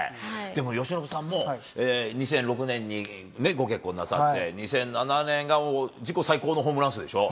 でも由伸さんも２００６年にご結婚なさって、２００７年が自己最高のホームラン数でしょ。